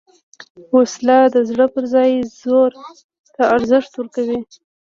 وسله د زړه پر ځای زور ته ارزښت ورکوي